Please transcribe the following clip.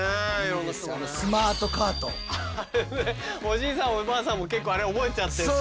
あれねおじいさんもおばあさんも結構あれ覚えちゃってすごいね。